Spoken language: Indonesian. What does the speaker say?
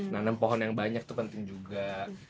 nanam pohon yang banyak itu penting juga